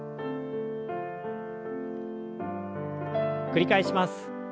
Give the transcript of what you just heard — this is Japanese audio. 繰り返します。